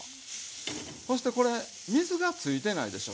そしてこれ水がついてないでしょ。